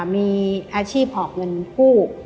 มีอาชีพหอกเงินกู้